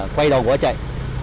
quay đầu của nó chạy